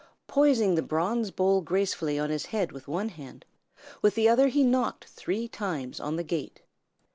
Poising the bronze bowl gracefully on his head with one hand, with the other he knocked three times on the gate.